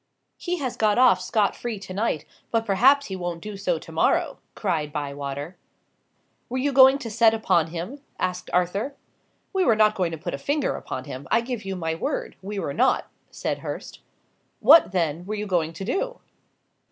"He has got off scot free to night, but perhaps he won't do so to morrow," cried Bywater. "Were you going to set upon him?" asked Arthur. "We were not going to put a finger upon him; I give you my word, we were not," said Hurst. "What, then, were you going to do?"